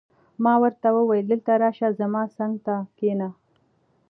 ما ورته وویل: دلته راشه، زما څنګ ته کښېنه.